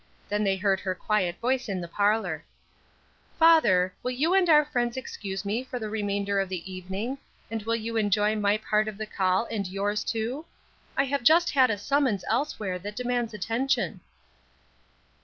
Then they heard her quiet voice in the parlor: "Father, will you and our friends excuse me for the remainder of the evening, and will you enjoy my part of the call and yours too? I have just had a summons elsewhere that demands attention."